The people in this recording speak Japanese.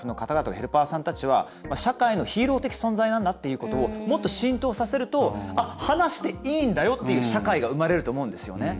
ヘルパーさんたちは社会のヒーロー的存在なんだっていうことをもっと浸透させると話していいんだよっていう社会が生まれると思うんですよね。